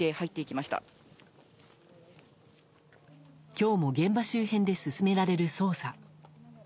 今日も現場周辺で進められる捜査。